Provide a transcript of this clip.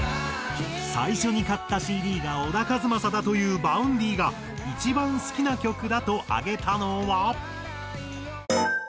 最初に買ったＣＤが小田和正だというＶａｕｎｄｙが一番好きな曲だと挙げたのは。